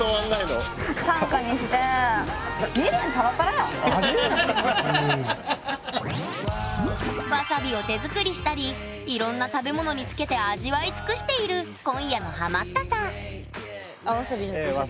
わさびを手作りしたりいろんな食べ物につけて味わい尽くしている今夜のハマったさんええわさびです。